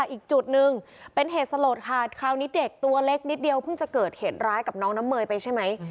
อีกจุดหนึ่งเป็นเหตุสลดค่ะคราวนี้เด็กตัวเล็กนิดเดียวเพิ่งจะเกิดเหตุร้ายกับน้องน้ำเมยไปใช่ไหม